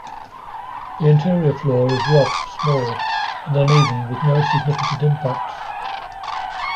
The interior floor is rough, small, and uneven, with no significant impacts.